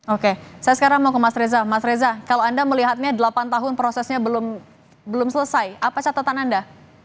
oke saya sekarang mau ke mas reza mas reza kalau anda melihatnya delapan tahun prosesnya belum selesai apa catatan anda